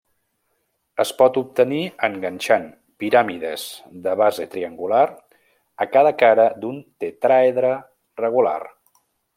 Es pot obtenir enganxant piràmides de base triangular a cada cara d'un tetràedre regular.